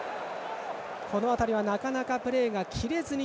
この辺りはなかなかプレーが切れずに。